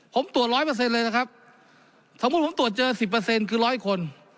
ผมตรวจร้อยเปอร์เซ็นต์เลยนะครับสมมุติผมตรวจเจอ๑๐คือร้อยคน